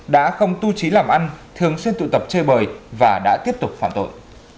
đã không tu trí làm ăn thường xuyên tụ tập chơi bời và đã tiếp tục phạm tội